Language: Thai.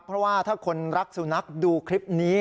เพราะว่าถ้าคนรักสุนัขดูคลิปนี้